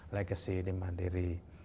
legacy di mandiri